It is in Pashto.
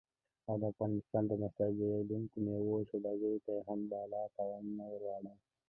او افغانستان نه د صادرېدونکو میوو سوداګرو ته یې هم بلا تاوانونه ور واړول